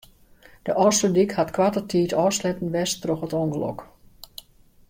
De Ofslútdyk hat koarte tiid ôfsletten west troch it ûngelok.